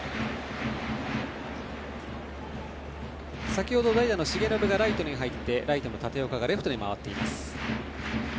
先ほど代打の重信がライトに入ってライトの立岡がレフトに回っています。